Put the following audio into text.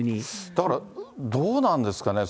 だから、どうなんですかね。